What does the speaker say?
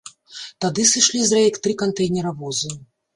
Тады сышлі з рэек тры кантэйнеравозы.